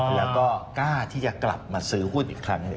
แล้วก็กล้าที่จะกลับมาซื้อหุ้นอีกครั้งหนึ่ง